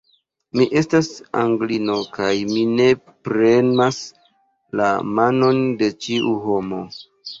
Mi estas Anglino, kaj mi ne premas la manon de ĉiu homo!